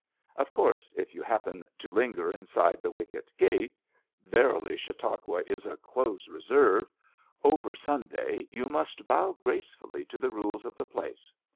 '* Of course, if you happen to linger inside the wicket gate — ^verily Chautauqua is a close preserve — over Sunday, you must bow gracefully to the rules of the place.